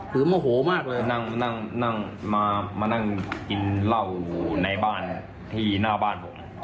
คือโมโหมากเลยนั่งมานั่งกินเหล้าอยู่ในบ้านที่หน้าบ้านผม